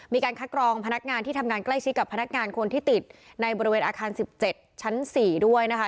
มีการคัดกรองพนักงานที่ทำงานใกล้ชิดกับพนักงานคนที่ติดในบริเวณอาคาร๑๗ชั้น๔ด้วยนะคะ